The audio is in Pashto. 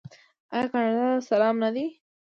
آیا کاناډا ته سلام نه دی؟